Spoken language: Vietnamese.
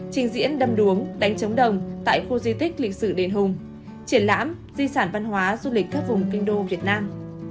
trình diễn đâm đuống đánh trống đồng tại khu di tích lịch sử đền hùng triển lãm di sản văn hóa du lịch các vùng kinh đô việt nam